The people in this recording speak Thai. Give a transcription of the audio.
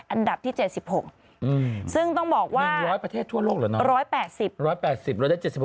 อันดับที่๗๖อืมซึ่งต้องบอกว่าประเทศทั่วโลกหรืออร้อยแปดสิบ